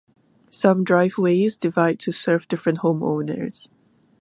Some driveways divide to serve different homeowners.